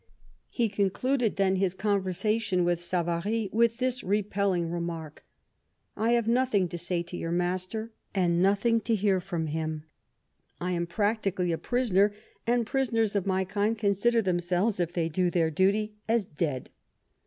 He concluded, then, his conversation with Savary with this repelling remark :" I have nothing to say to your master, and nothing to hear from him. I am practically a prisoner, and prisoners of my kind consider themselves, if they do their duty, as dead."